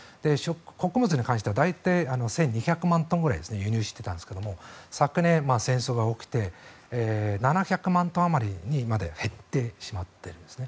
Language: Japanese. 穀物に関しては大体１２００万トンぐらい輸入していたんですが昨年、戦争が起きて７００万トンあまりにまで減ってしまっているんですね。